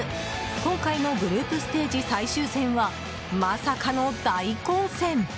今回のグループステージ最終戦はまさかの大混戦。